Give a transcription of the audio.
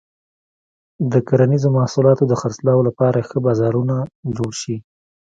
د کرنیزو محصولاتو د خرڅلاو لپاره ښه بازارونه جوړ شي.